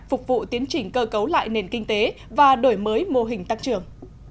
phục vụ tiến trình cơ cấu lại nền kinh tế và đổi mới mô hình tăng trưởng